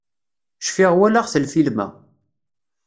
Cfiɣ walaɣ-t lfilm-a.